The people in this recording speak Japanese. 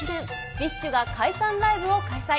ＢｉＳＨが解散ライブを開催。